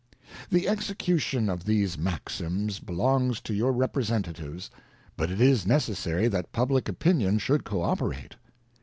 The execution of these maxims belongs to your Representa tives, but it is necessary that public opinion should co operate.